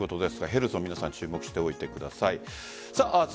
ヘルソン皆さん、注目しておいてください。